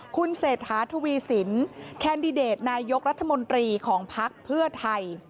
คุณเศรษฐาทวีสินแคนดิเดตนายกรัฐมนตรีของภักดิ์เพื่อไทย